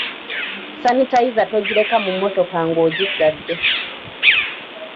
Sanitayiza togireka mu mmotoka ng’ogiggadde.